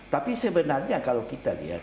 tapi sebenarnya kalau kita lihat